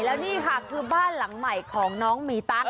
แล้วนี่ค่ะคือบ้านหลังใหม่ของน้องมีตั๊ก